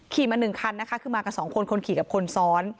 ขี่มา๑คันนะคะขึ้นมากับ๒คนคนขี่กับคนซ้อน